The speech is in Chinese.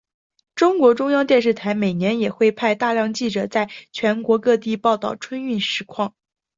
中国中央电视台每年也会派出大量记者在全国各地报道春运实况。